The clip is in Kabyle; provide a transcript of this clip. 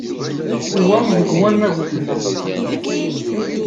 Wa deg wannag n ufella.